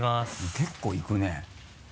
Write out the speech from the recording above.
結構いくよね。